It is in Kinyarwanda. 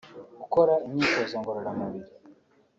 gukora imyitozo ngororamubiri